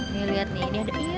nih liat nih dia ada apanya nih